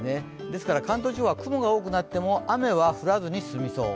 ですから関東地方は雲が多くなっても雨が降らずに済みそう。